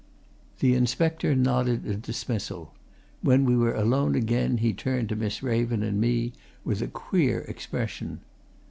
The inspector nodded a dismissal; when we were alone again, he turned to Miss Raven and me with a queer expression.